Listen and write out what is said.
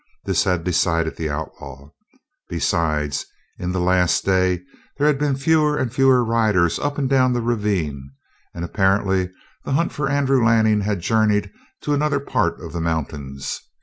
This had decided the outlaw. Besides, in the last day there had been fewer and fewer riders up and down the ravine, and apparently the hunt for Andrew Lanning had journeyed to another part of the mountains.